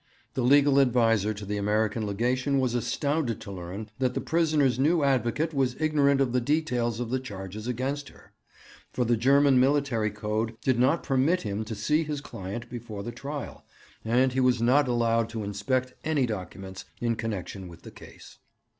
The legal adviser to the American Legation was astounded to learn that the prisoner's new advocate was ignorant of the details of the charges against her; for the German military code did not permit him to see his client before the trial, and he was not allowed to inspect any documents in connexion with the case.